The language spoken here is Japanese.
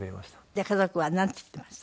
じゃあ家族はなんて言っていました？